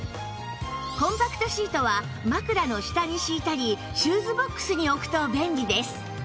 コンパクトシートは枕の下に敷いたりシューズボックスに置くと便利です